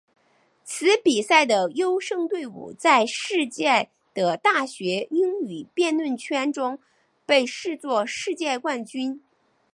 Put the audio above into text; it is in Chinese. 此比赛的优胜队伍在世界的大学英语辩论圈中被视作世界冠军。